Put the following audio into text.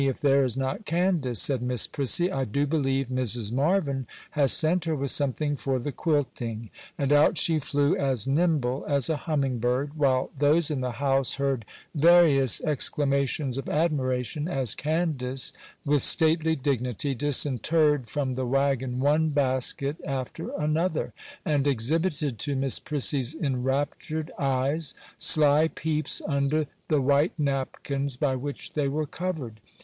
if there is not Candace,' said Miss Prissy; 'I do believe Mrs. Marvyn has sent her with something for the quilting;' and out she flew as nimble as a humming bird, while those in the house heard various exclamations of admiration, as Candace, with stately dignity, disinterred from the waggon one basket after another, and exhibited to Miss Prissy's enraptured eyes sly peeps under the white napkins by which they were covered.